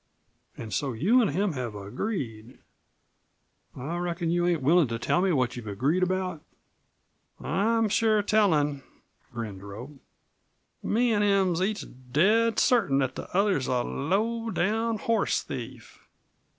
An' so you an' him have agreed. I reckon you ain't willin' to tell me what you've agreed about?" "I'm sure tellin'," grinned Rope. "Me an' him's each dead certain that the other's a low down horse thief."